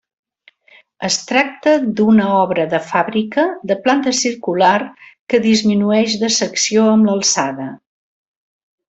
Es tracta d'una obra de fàbrica de planta circular que disminueix de secció amb l'alçada.